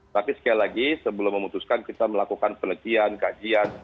tapi sekali lagi sebelum memutuskan kita melakukan penelitian kajian